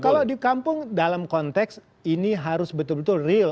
kalau di kampung dalam konteks ini harus betul betul real